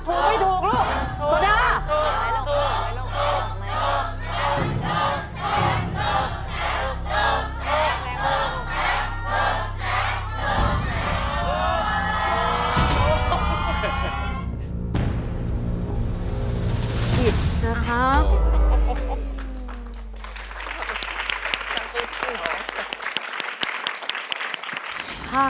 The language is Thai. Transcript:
ผิดนะครับ